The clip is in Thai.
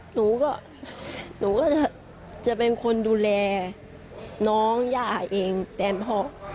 หนูก็หนูก็จะเป็นคนดูแลน้องย่าเองแทนพ่อ